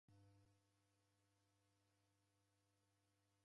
Mwalimu washolia wana wa skulu, ukawizera ndew'iida mtihani.